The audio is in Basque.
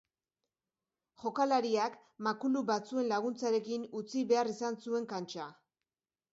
Jokalariak makulu batzuen laguntzarekin utzi behar izan zuen kantxa.